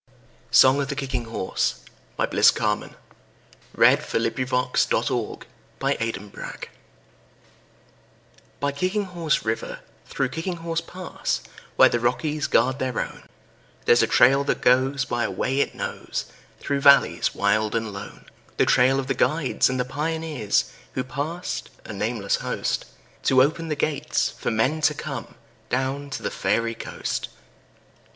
uts forth, To keep unsoiled forever The honor of the North. SONG OF THE KICKING HORSE By Kicking Horse River, through Kicking Horse Pass, Where the Rockies guard their own, There's a trail that goes by a way it knows Through valleys wild and lone,— The trail of the guides and the pioneers Who passed—a nameless host— To open the gates for men to come Down to the Fairy Coast.